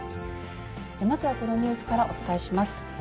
まずはこのニュースからお伝えします。